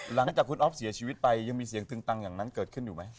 หลังจากคุณอ๊อฟเสียชีวิตไปยังมีเสียงตึงตังอย่างนั้นเกิดขึ้นอยู่ไหม